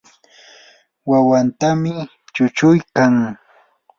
wawantami chuchuykan.